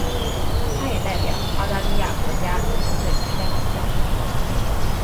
他也代表澳大利亚国家足球队参加比赛。